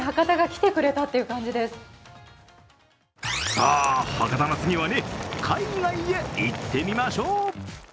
さあ博多の次は、海外へ行ってみましょう。